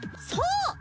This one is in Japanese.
そう！